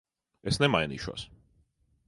Es nemainīšos.